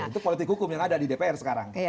itu politik hukum yang ada di dpr sekarang